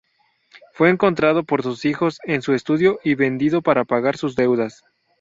Fue encontrado por sus hijos en su estudio y vendido para pagar sus deudas.